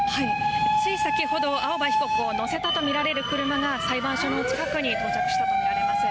つい先ほど青葉被告を乗せたと見られる車が裁判所の近くに到着したと見られます。